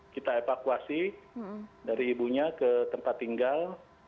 kita evakuasi dari ibunya ke tempat tinggal